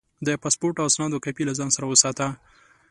د پاسپورټ او اسنادو کاپي له ځان سره وساته.